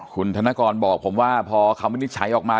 คุณธนกรบอกผมว่าพอคำวินิจฉัยออกมา